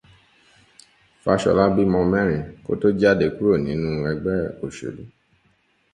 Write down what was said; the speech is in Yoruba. Fáṣolá bímọ mẹ́rin kó tó jáde kúrò nínú ẹgbẹ́ òṣèlú